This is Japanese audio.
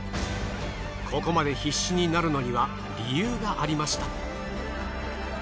ここまで必死になるのには理由がありました。